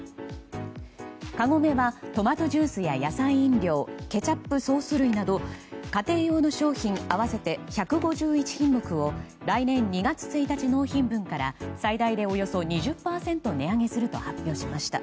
カゴメはトマトジュースや野菜飲料ケチャップ、ソース類など家庭用の商品合わせて１５１品目を来年２月１日納品分から最大でおよそ２０％値上げすると発表しました。